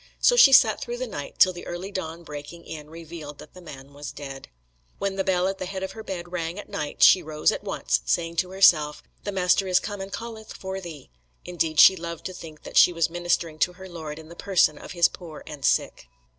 So she sat through the night, till the early dawn breaking in revealed that the man was dead. When the bell at the head of her bed rang at night she rose at once, saying to herself, "The Master is come, and calleth for thee!" Indeed, she loved to think that she was ministering to her Lord in the person of His poor and sick.